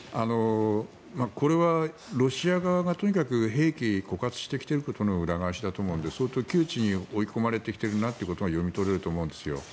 これはロシア側がとにかく兵器が枯渇してきていることの裏返しだと思うので相当窮地に追い込まれてきているなということが読み取れると思うんですよ。